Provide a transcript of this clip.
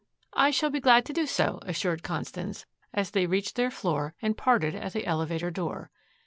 "I shall be glad to do so," assured Constance, as they reached their floor and parted at the elevator door.